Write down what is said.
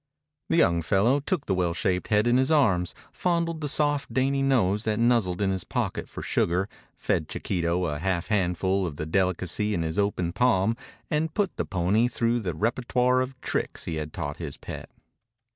The young fellow took the well shaped head in his arms, fondled the soft, dainty nose that nuzzled in his pocket for sugar, fed Chiquito a half handful of the delicacy in his open palm, and put the pony through the repertoire of tricks he had taught his pet.